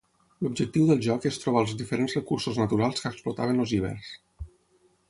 L'objectiu del joc és trobar els diferents recursos naturals que explotaven els ibers.